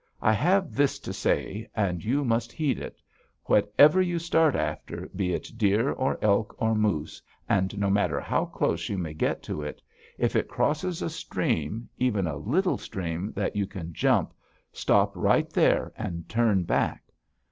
I have this to say, and you must heed it: Whatever you start after, be it deer or elk or moose, and no matter how close you may get to it, if it crosses a stream, even a little stream that you can jump, stop right there and turn back.